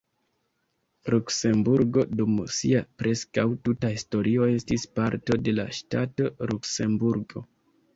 Luksemburgo dum sia preskaŭ tuta historio estis parto de la ŝtato Luksemburgo.